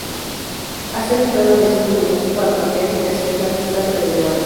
Hacían entradas de cinco minutos para mapear y clasificar los cráteres de Marte.